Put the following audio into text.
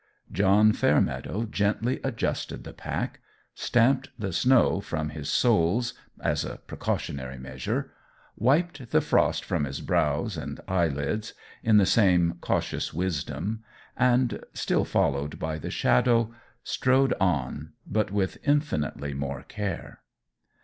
John Fairmeadow gently adjusted the pack, stamped the snow from his soles, as a precautionary measure, wiped the frost from his brows and eyelids, in the same cautious wisdom, and, still followed by the Shadow, strode on, but with infinitely more care.